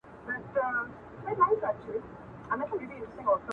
په ژورو کي غځېږي تل